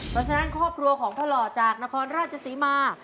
เพราะฉะนั้นครอบครัวของพ่อหล่อจากนครราชศรีมา